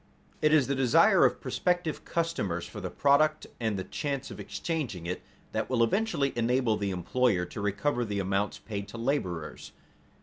It is the desire of prospective customers for the product, and the chance of exchanging it, that will eventually enable the employer to recover the amounts paid to laborers.